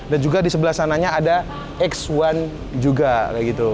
dan juga di sebelah sananya ada x satu juga kayak gitu